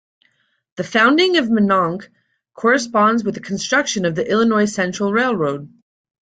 The founding of Minonk corresponds with the construction of the Illinois Central Railroad.